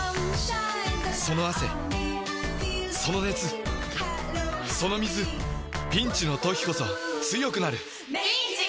その汗その熱その水ピンチの時こそ強くなる！